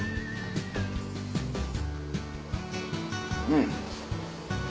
うん。